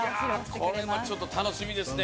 これもちょっと楽しみですね